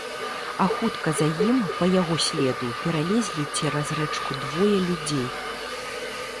А хутка за ім, па яго следу, пералезлі цераз рэчку двое людзей.